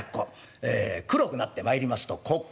ええ黒くなってまいりますと黒狐。